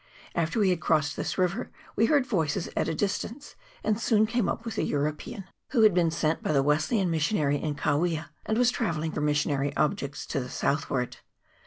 After we had crossed this river we heard voices at a distance, and soon came up with a European, who had been sent by the Wes leyan Missionary in Kawia, and was travelling for missionary objects to the southward.